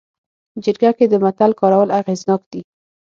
جرګه کې د متل کارول اغېزناک دي